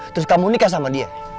terus kamu nikah sama dia